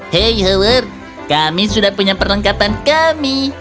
hey hour kami sudah punya perlengkapan kami